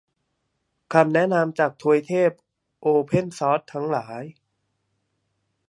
คำแนะนำจากทวยทพโอเพนซอร์สทั้งหลาย